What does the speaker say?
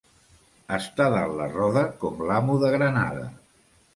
Estar dalt la roda, com l'amo de Granada.